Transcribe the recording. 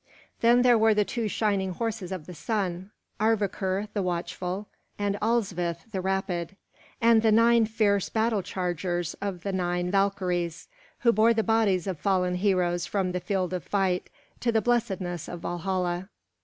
Then there were the two shining horses of the sun, Arvakur the watchful, and Alsvith the rapid; and the nine fierce battle chargers of the nine Valkyries, who bore the bodies of fallen heroes from the field of fight to the blessedness of Valhalla.